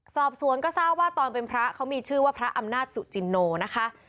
สอบสวนก็ทราบว่าตอนเป็นพระเขามีชื่อว่าพระอำนาจสุจินโนนะคะ